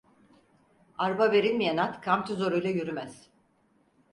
Arpa verilmeyen at, kamçı zoruyla yürümez.